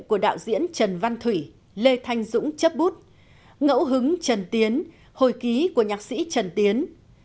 của đạo diễn trần văn thủy lê thanh dũng chấp bút ngẫu hứng trần tiến hồi ký của nhạc sĩ trần tiến